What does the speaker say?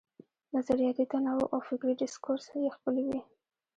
نظریاتي تنوع او فکري ډسکورس یې خپل وي.